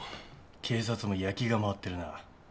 警察も焼きが回ってるな。